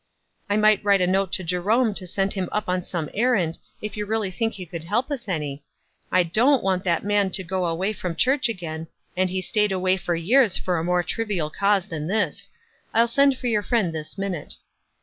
"I mi^ht write a note to Jerome to send him up on some errand, if you really think he could help us any. I don't want that man to go away from church again, and he stayed away for 3 ears for a more trivial cause than this. I'll send for your friend this minute."